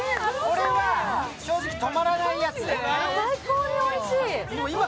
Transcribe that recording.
これは正直止まらないやつ。